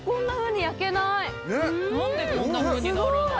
何でこんなふうになるの？